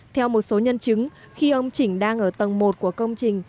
theo một số nhân chứng khi ông chỉnh đang ở tầng một của công trình